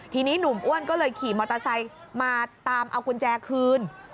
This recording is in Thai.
ทีนี้หนุ่มอ้วนก็เลยขี่มอเตอร์ไซค์มาตามเอากุญแจคืน